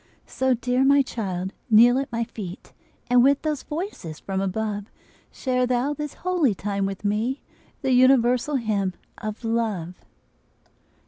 So, dear my child, kneel at my feet, And with those voices from above Share thou this holy time with me, The universal hymn of love.